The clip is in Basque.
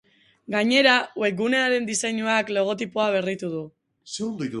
Gainera, webgunearen diseinuak logotipoa berritu du.